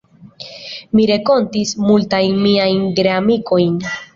Mi renkontis multajn miajn geamikojn.